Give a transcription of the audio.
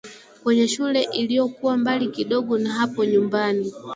kwenye shule iliyokuwa mbali kidogo na hapo nyumbani